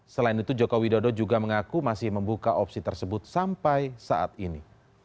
selain itu joko widodo juga mengaku masih membuka opsi tersebut sampai saat ini